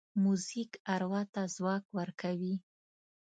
موزیک اروا ته ځواک ورکوي.